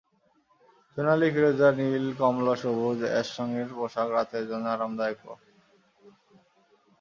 সোনালি, ফিরোজা, নীল, কমলা সবুজ, অ্যাশ রংয়ের পোশাক রাতের জন্য আরামদায়কও।